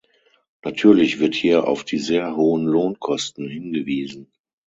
Natürlich wird hier auf die sehr hohen Lohnkosten hingewiesen.